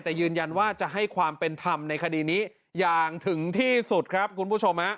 แต่ยืนยันว่าจะให้ความเป็นธรรมในคดีนี้อย่างถึงที่สุดครับคุณผู้ชม